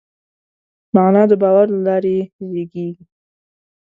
معنی د باور له لارې زېږي.